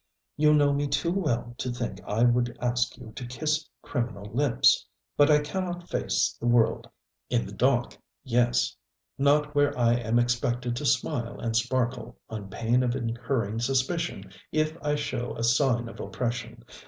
You know me too well to think I would ask you to kiss criminal lips. But I cannot face the world. In the dock, yes. Not where I am expected to smile and sparkle, on pain of incurring suspicion if I show a sign of oppression.